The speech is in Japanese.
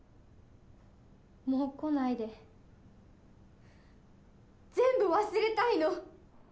・もう来ないで・・全部忘れたいの！